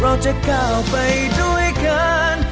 เราจะก้าวไปด้วยกัน